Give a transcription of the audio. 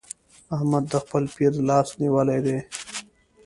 احمد د خپل پير لاس نيولی دی.